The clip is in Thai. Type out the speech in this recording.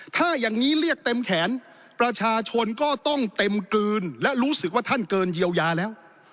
ถ้าอย่างนี้เรียกเต็มแขนประชาชนก็ต้องเต็มกลืนและรู้สึกว่าท่านเกินเยียวยาแล้ว